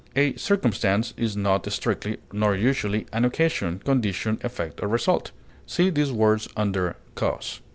A circumstance is not strictly, nor usually, an occasion, condition, effect, or result. (See these words under CAUSE.)